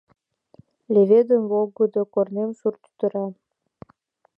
Леведын волгыдо корнем Сур тӱтыра.